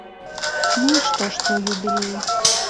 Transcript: Ну і што, што юбілей?